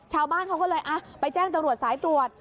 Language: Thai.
ชาวบ้านเขาก็เลยไปแจ้งตำรวจสายตรวจ